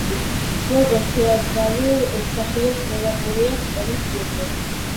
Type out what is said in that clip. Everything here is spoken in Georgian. როგორც თეატრალურ მსახიობს, მიღებული აქვს ტონის ჯილდო.